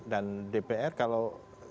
dan dpr kalau